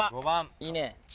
いいね。